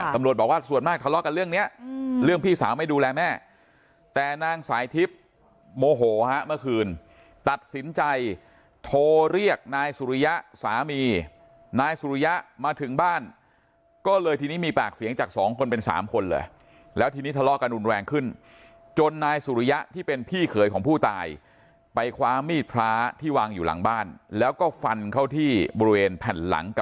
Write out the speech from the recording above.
ตำรวจบอกว่าส่วนมากทะเลาะกันเรื่องนี้เรื่องพี่สาวไม่ดูแลแม่แต่นางสายทิพย์โมโหฮะเมื่อคืนตัดสินใจโทรเรียกนายสุริยะสามีนายสุริยะมาถึงบ้านก็เลยทีนี้มีปากเสียงจากสองคนเป็นสามคนเลยแล้วทีนี้ทะเลาะกันรุนแรงขึ้นจนนายสุริยะที่เป็นพี่เขยของผู้ตายไปคว้ามีดพระที่วางอยู่หลังบ้านแล้วก็ฟันเข้าที่บริเวณแผ่นหลังก